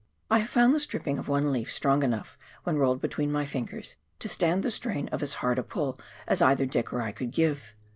I have found the stripping of one leaf strong enough when rolled between my fingers to stand the strain of as hard a pull as either Dick or I could give.